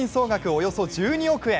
およそ１２億円